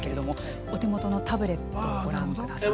お手元のタブレットをご覧ください。